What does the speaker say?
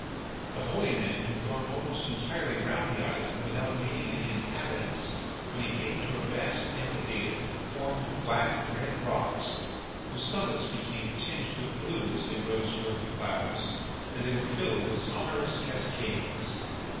The holy man had gone almost entirely round the island without meeting any inhabitants, when he came to a vast amphitheatre formed of black and red rocks whose summits became tinged with blue as they rose towards the clouds, and they were filled with sonorous cascades.